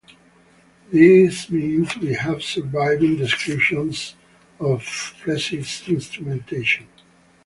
This means we have surviving descriptions of precise instrumentation.